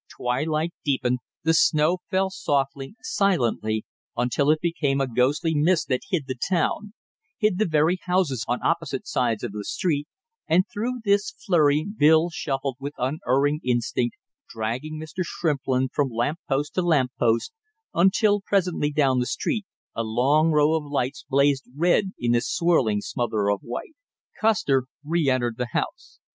Twilight deepened; the snow fell softly, silently, until it became a ghostly mist that hid the town hid the very houses on opposite sides of the street, and through this flurry Bill shuffled with unerring instinct, dragging Mr. Shrimplin from lamp post to lamp post, until presently down the street a long row of lights blazed red in the swirling smother of white. Custer reëntered the house.